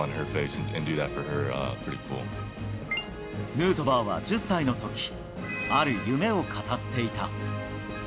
ヌートバーは１０歳のとき、ある夢を語っていた。